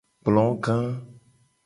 Ekplo ga.